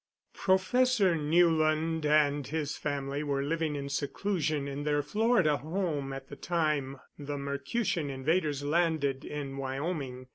Professor Newland and his family were living in seclusion in their Florida home at the time the Mercutian invaders landed in Wyoming.